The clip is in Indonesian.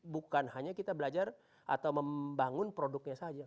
bukan hanya kita belajar atau membangun produknya saja